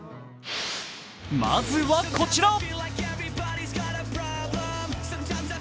まずは、こちら。